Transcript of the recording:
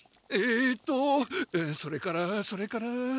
えとそれからそれから。